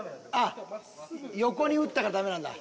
横に打ったからダメなんだ。